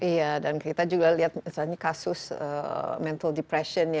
iya dan kita juga lihat kasus mental depression